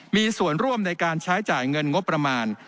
มีส่วนร่วมในการใช้จ่ายเงินงบประมาณ